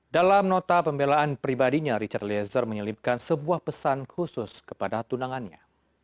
dalam nota pembelaan pribadinya richard eliezer menyelipkan sebuah pesan khusus kepada tunangannya